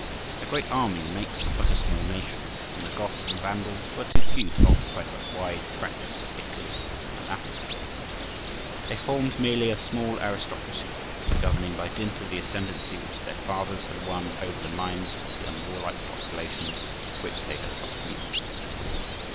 A great army makes but a small nation, and the Goths and Vandals were too few to occupy such wide tracts as Italy and Africa. They formed merely a small aristocracy, governing by dint of the ascendency which their fathers had won over the minds of the unwarlike populations which they had subdued.